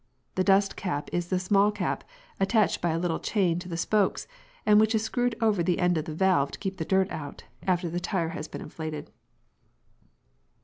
The dust cap is the small cap, attached by a little chain to the spokes, and which is screwed over the end of the valve to keep the dirt out, after the tyre has been inflated.